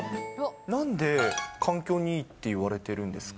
なんで環境にいいっていわれてるんですか？